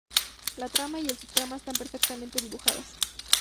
La trama y subtrama están perfectamente dibujadas.